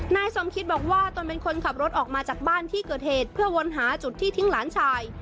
นายสมคิตบอกว่าตนเป็นคนขับรถออกมาจากบ้านที่เกิดเหตุเพื่อวนหาจุดที่ทิ้งหลานชาย